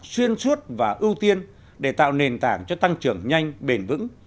xuyên suốt và ưu tiên để tạo nền tảng cho tăng trưởng nhanh bền vững